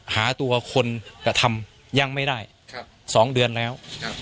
หาตัวคนกระทำยังไม่ได้๒เดือนแล้ว